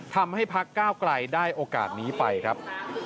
พักก้าวไกลได้โอกาสนี้ไปครับ